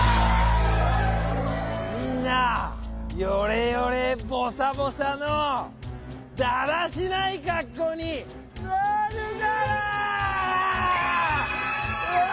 みんなヨレヨレボサボサのだらしないかっこうになるダラ！わ！